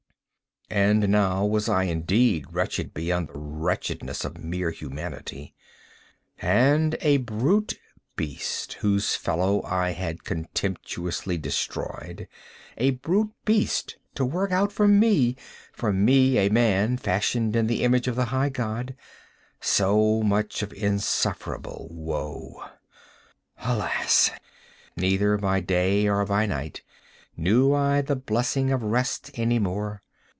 And now was I indeed wretched beyond the wretchedness of mere Humanity. And _a brute beast _—whose fellow I had contemptuously destroyed—a brute beast to work out for me—for me a man, fashioned in the image of the High God—so much of insufferable woe! Alas! neither by day nor by night knew I the blessing of rest any more!